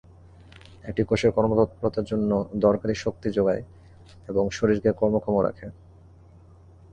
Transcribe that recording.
এটি কোষের কর্মতৎপরতার জন্য দরকারি শক্তি জোগায় এবং শরীরকে কর্মক্ষম রাখে।